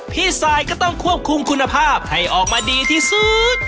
ทรายก็ต้องควบคุมคุณภาพให้ออกมาดีที่สุด